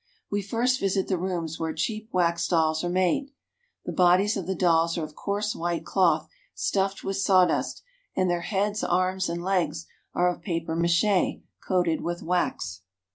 We first visit the rooms where cheap wax dolls are made. The bodies of the dolls are of coarse white cloth stuffed with sawdust, and their heads, arms, and legs are of papier mache" coated with wax.